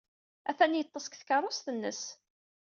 Atan yeḍḍes deg tkeṛṛust-nnes.